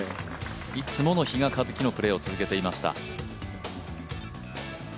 いつもの比嘉一貴のプレーを続けていました。